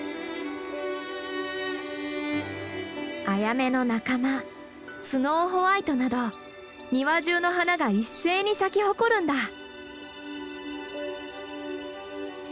アヤメの仲間スノーホワイトなど庭中の花が一斉に咲き誇るんだ。